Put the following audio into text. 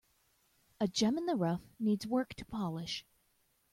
A gem in the rough needs work to polish.